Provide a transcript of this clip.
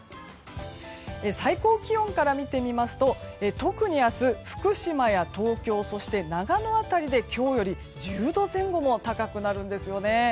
最高気温から見てみますと特に明日、福島や東京そして長野辺りで今日より１０度前後も高くなるんですよね。